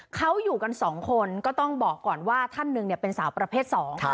เขาอยู่กันสองคนก็ต้องบอกก่อนว่าท่านหนึ่งเนี่ยเป็นสาวประเภทสอง